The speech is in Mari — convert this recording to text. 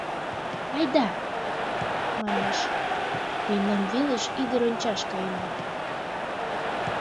Айда, — манеш, — мемнан велыш ӱдыр ончаш каена.